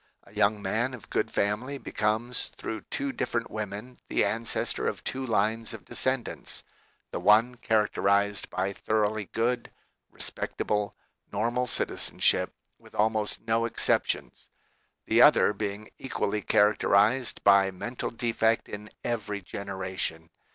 A young man of good family becomes through two different women the ancestor of two lines of descendants, the one characterized by thoroughly good, respectable, normal citizenship, with almost no exceptions ; the other being equally characterized by mental defect in every generation.